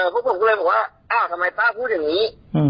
พวกผมก็เลยบอกว่าอ้าวทำไมป้าพูดอย่างนี้